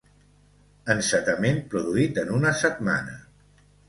Encetament produït en una setmana.